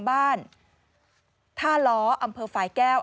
บ้านท่าล้ออำเภอฝ่ายแก้ว